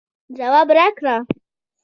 ځواب راکړئ